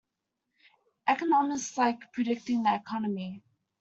Economists like predicting the Economy.